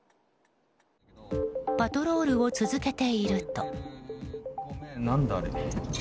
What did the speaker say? パトロールを続けていると。